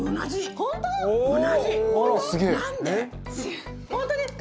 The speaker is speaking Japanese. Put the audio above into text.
本当ですか？